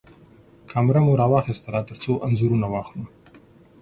کېمره مو راواخيستله ترڅو انځورونه واخلو.